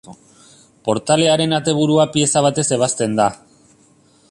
Portalearen ateburua pieza batez ebazten da.